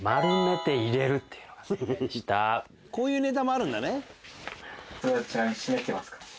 こういうネタもあるんだね。